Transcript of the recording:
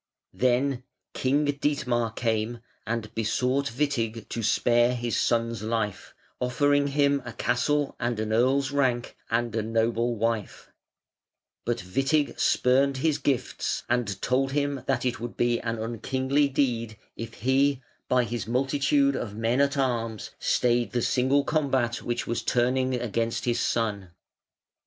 Then King Dietmar came and besought Witig to spare his son's life, offering him a castle and an earl's rank and a noble wife; but Witig spurned his gifts, and told him that it would be an unkingly deed if he, by his multitude of men at arms, stayed the single combat which was turning against his son.